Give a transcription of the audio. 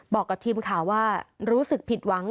บอกกับทีมข่าวว่ารู้สึกผิดหวัง